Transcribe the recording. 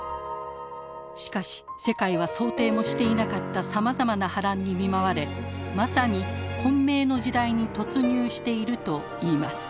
しかし世界は想定もしていなかったさまざまな波乱に見舞われまさに混迷の時代に突入しているといいます。